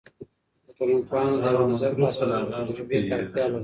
د ټولنپوهانو د یوه نظر په اساس موږ تجربې ته اړتیا لرو.